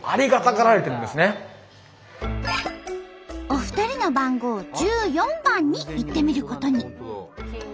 お二人の番号１４番に行ってみることに。